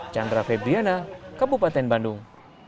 chandra febriana kabupaten bandung